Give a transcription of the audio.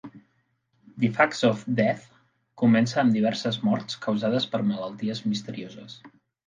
"The Facts of Death" comença amb diverses morts causades per malalties misterioses.